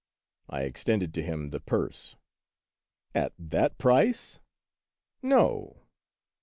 I extended to him the purse :" At that price ?"—" No